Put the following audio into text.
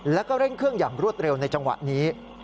แล้วก็เร่งเครื่องอย่างรวดเร็วในจังหวะนี้